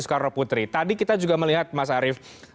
soekarnoputri tadi kita juga melihat mas arief